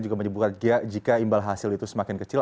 juga menyebutkan jika imbal hasil itu semakin kecil